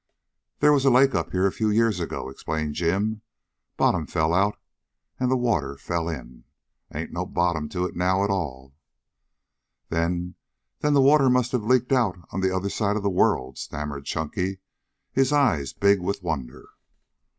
"There was a lake here up to a few years ago," explained Jim. "Bottom fell out and the water fell in. Ain't no bottom to it now at all" "Then then the water must have leaked out on the other side of the world," stammered Chunky, his eyes big with wonder.